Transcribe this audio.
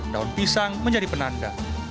daun pisang menjadi penanda